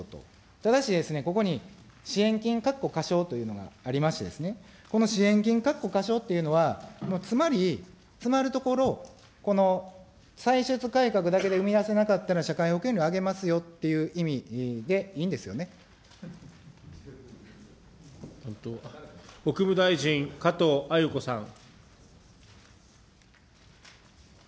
ただしですね、ここに支援金かっこ仮称というものがありましてですね、この支援金かっこ仮称というのはつまり、詰まるところ、この歳出改革だけで生み出せなかった社会保険料上げますよってい国務大臣、加藤鮎子さん。